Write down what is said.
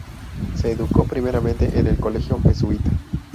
Se educó primeramente en el Colegio Jesuita.